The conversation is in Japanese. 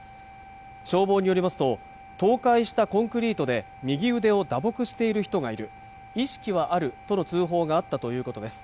消防によりますと倒壊したコンクリートで右腕を打撲している人がいる意識はあるとの通報があったということです